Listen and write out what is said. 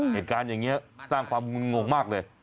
เหตุการณ์อย่างนี้สร้างความงงมากเลย